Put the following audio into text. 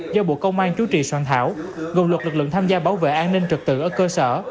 do bộ công an chú trì soạn thảo gồm luật lực lượng tham gia bảo vệ an ninh trực tự ở cơ sở